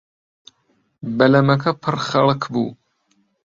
بەلەمەکە پڕ خەڵک بوو.